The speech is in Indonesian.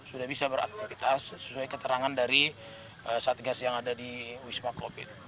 sudah bisa beraktivitas sesuai keterangan dari satgas yang ada di wisma covid